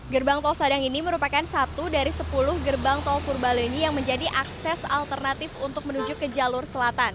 gerbang tol sadang ini merupakan satu dari sepuluh gerbang tol purbaleni yang menjadi akses alternatif untuk menuju ke jalur selatan